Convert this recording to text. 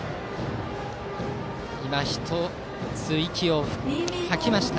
一つ息を吐きました